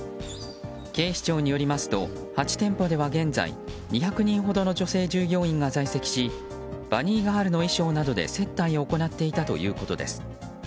警視庁によりますと８店舗では、現在２００人ほどの女性従業員が在籍しバニーガールの衣装などで接待を行っていたということです。